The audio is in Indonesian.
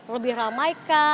lebih ramai kah